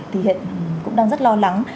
thì hiện cũng đang rất lo lắng